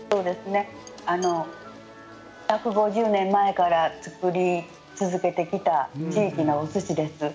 １５０年前から作り続けてきた地域のお寿司です。